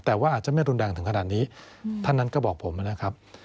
แต่ว่าอาจจะไม่รุนแรงถึงขนาดนี้ท่านนั้นก็บอกผมนะครับ